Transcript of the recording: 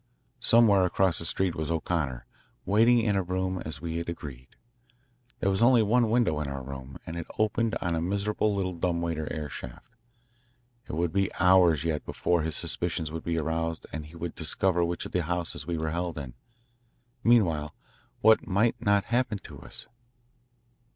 Somewhere across the street was O'Connor, waiting in a room as we had agreed. There was only one window in our room, and it opened on a miserable little dumbwaiter air shaft. It would be hours yet before his suspicions would be aroused and he would discover which of the houses we were held in. Meanwhile what might not happen to us?